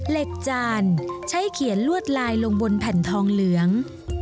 จานใช้เขียนลวดลายลงบนแผ่นทองเหลือง